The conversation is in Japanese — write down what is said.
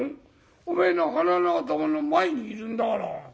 おめえの鼻の頭の前にいるんだから。